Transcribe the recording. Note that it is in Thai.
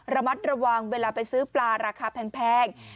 ระมัดระวังเวลาไปซื้อปลาราคาแพง